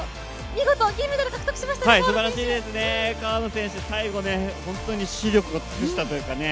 見事、銀メダル獲得しました川野選手。